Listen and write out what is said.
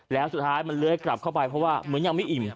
แล้วสุดท้ายมันเลื้อยกลับเข้าไปเพราะว่าเหมือนยังไม่อิ่ม